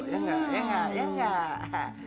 ya enggak ya enggak ya enggak